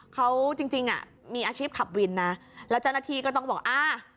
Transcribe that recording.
เขาจริงจริงอ่ะมีอาชีพขับวินนะแล้วเจ้าหน้าที่ก็ต้องบอกอ่า